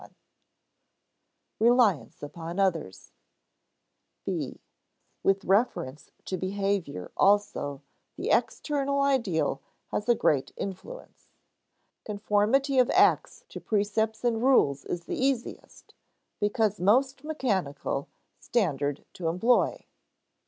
[Sidenote: Reliance upon others] (b) With reference to behavior also, the external ideal has a great influence. Conformity of acts to precepts and rules is the easiest, because most mechanical, standard to employ.